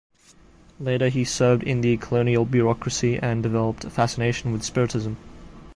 Later he served in the colonial bureaucracy and developed a fascination with spiritism.